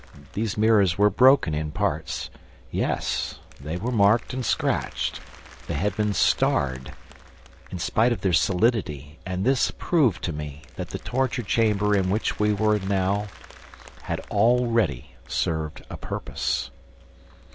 These mirrors were broken in parts. Yes, they were marked and scratched; they had been "starred," in spite of their solidity; and this proved to me that the torture chamber in which we now were HAD ALREADY SERVED A PURPOSE.